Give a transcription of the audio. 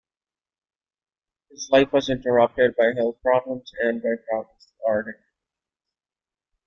His life was interrupted by health problems, and by travels to art exhibitions.